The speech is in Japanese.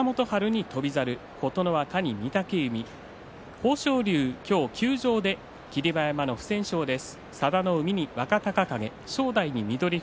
豊昇龍、今日休場で霧馬山の不戦勝です。